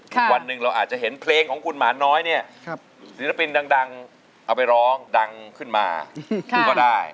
วันหนึ่งเราอาจจะเห็นเพลงของคุณหมาน้อยเนี่ยศิลปินดังเอาไปร้องดังขึ้นมาก็ได้